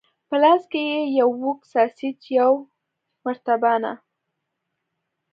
په لاس کې یې یو اوږد ساسیج، یوه مرتبانه.